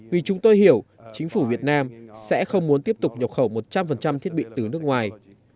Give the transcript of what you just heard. vì chúng tôi hiểu chính phủ việt nam sẽ không muốn tiếp tục nhập khẩu một trăm linh thiết bị từ nước ngoài